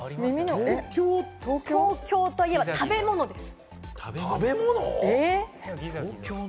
東京といえばの食べ物です。